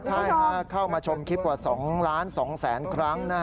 ใช่ค่ะเข้ามาชมคลิปกว่า๒๒๐๐๐๐๐ครั้งนะครับ